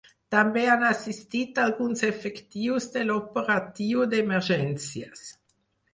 També han assistit alguns efectius de l’operatiu d’emergències.